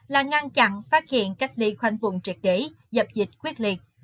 là ngăn chặn phát hiện cách ly khoanh vùng triệt để dập dịch quyết liệt